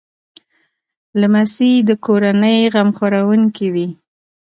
لمسی د کورنۍ غم خوړونکی وي.